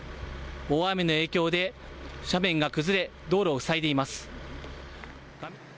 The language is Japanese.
大雨の影響で斜面が崩れ道路を塞いでいます。